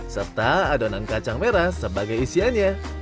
serta adonan kacang merah sebagai isiannya